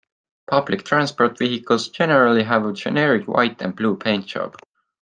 Public transport vehicles generally have a generic white and blue paint job.